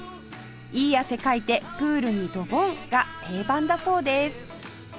いい汗かいてプールにドボンが定番だそうです